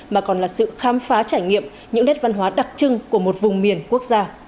mà còn là sự khám phá trải nghiệm những nét văn hóa đặc trưng của một vùng miền quốc gia